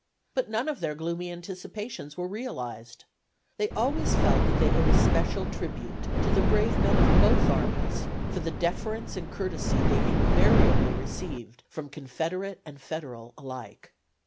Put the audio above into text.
But none of their gloomy anticipations were realized. They always felt that they owed a special tribute to the brave men of both armies for the deference and courtesy they invariably received from Confederate and Federal alike.